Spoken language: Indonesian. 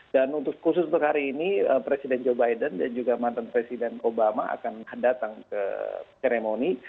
dan untuk khusus untuk hari ini presiden joe biden dan juga mantan presiden obama akan datang ke seremoni